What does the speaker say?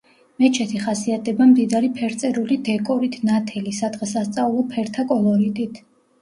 მეჩეთი ხასიათდება მდიდარი ფერწერული დეკორით, ნათელი, სადღესასწაულო ფერთა კოლორიტით.